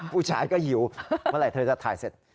ผู้ชายก็หิวเมื่อไหร่เธอจะถ่ายเสร็จ